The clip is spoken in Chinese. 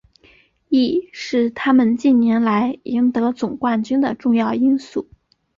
亦是他们近年来赢得总冠军的重要因素。